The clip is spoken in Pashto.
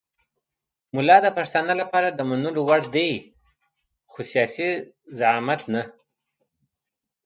ملا د پښتانه لپاره د منلو وړ دی خو سیاسي زعامت نه.